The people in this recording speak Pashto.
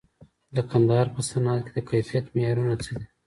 د کندهار په صنعت کي د کیفیت معیارونه څه دي؟